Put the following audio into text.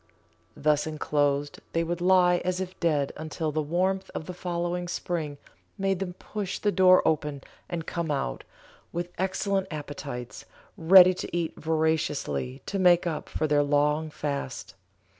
Thus enclosed they would lie as if dead until the warmth of the following spring made them push the door open and come out, with excellent appetites, ready to eat voraciously to make up for their long fast.